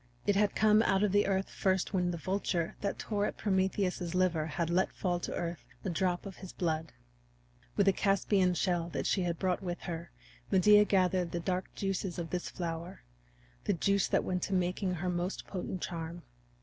It had come out of the earth first when the vulture that tore at Prometheus's liver had let fall to earth a drop of his blood. With a Caspian shell that she had brought with her Medea gathered the dark juice of this flower the juice that went to make her most potent charm.